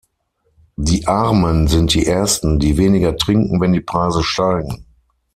Die Armen sind die ersten, die weniger trinken, wenn die Preise steigen.